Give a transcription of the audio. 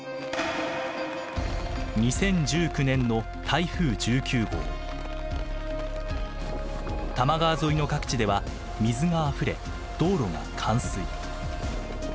２０１９年の多摩川沿いの各地では水があふれ道路が冠水。